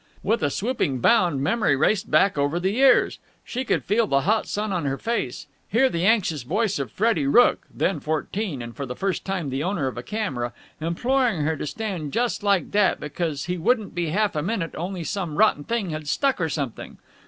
With a swooping bound memory raced back over the years. She could feel the hot sun on her face, hear the anxious voice of Freddie Rooke then fourteen and for the first time the owner of a camera imploring her to stand just like that because he wouldn't be half a minute only some rotten thing had stuck or something.